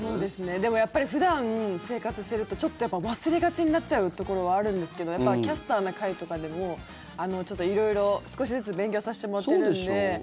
でもやっぱり普段、生活してるとちょっと忘れがちになっちゃうところはあるんですけど「キャスターな会」とかでも色々、少しずつ勉強させてもらってるんで。